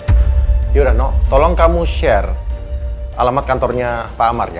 yaudah no tolong kamu share alamat kantornya pak amar ya